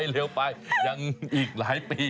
เร็วไปยังอีกหลายปี